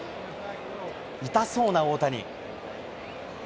痛そうな大谷。